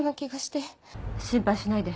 心配しないで。